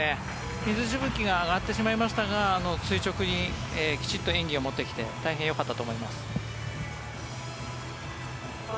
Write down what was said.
水しぶきが上がってしまいましたが演技を垂直に持ってきていて大変よかったと思います。